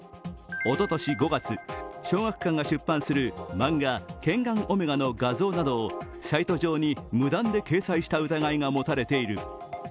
おととし５月、小学館が出版する漫画「ケンガンオメガ」をサイト上に無断で掲載した疑いが持たれている。